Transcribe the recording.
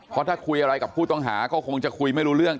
เพราะถ้าคุยอะไรกับผู้ต้องหาก็คงจะคุยไม่รู้เรื่อง